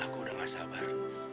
aku sudah tidak sabar